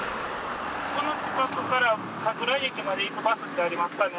この近くから桜井駅まで行くバスってありますかね？